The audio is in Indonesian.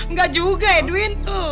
enggak juga edwin